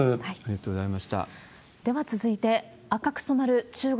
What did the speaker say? では続いて、紅く染まる中国。